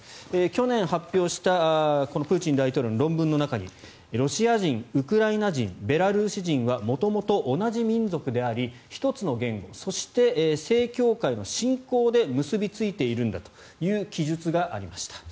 去年発表したこのプーチン大統領の論文の中にロシア人、ウクライナ人ベラルーシ人は元々、同じ民族であり１つの言語そして正教会の信仰で結びついているんだという記述がありました。